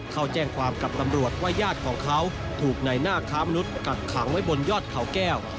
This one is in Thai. เขาแจ้งความกับตำรวจว่าญาติของเขาถูกในหน้าค้ามนุษย์กักขังไว้บนยอดเขาแก้ว